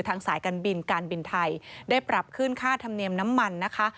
สายการบินการบินไทยได้ปรับขึ้นค่าธรรมเนียมน้ำมันนะคะ